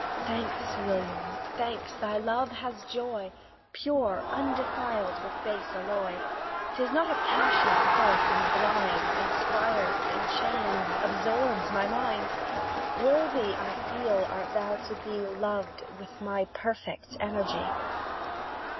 Thanks, William, thanks! thy love has joy, Pure, undefiled with base alloy; 'Tis not a passion, false and blind, Inspires, enchains, absorbs my mind; Worthy, I feel, art thou to be Loved with my perfect energy.